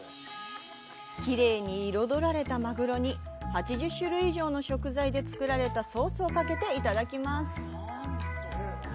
きれいに彩られたマグロに８０種類以上の食材で作られたソースをかけていただきます。